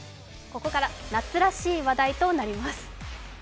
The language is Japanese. ここから夏らしい話題となります。